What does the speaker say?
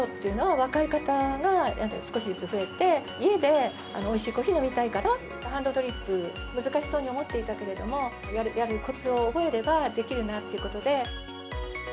若い方がやっぱり少しずつ増えて、家でおいしいコーヒー飲みたい方はハンドドリップ、難しそうに思えていたけど、やるこつを覚えればできるなということで。